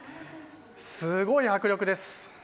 すごい迫力です。